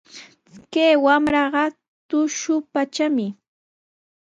Kay wamraqa tushupatrami.